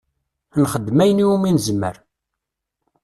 Nxeddem ayen iwimi nezmer.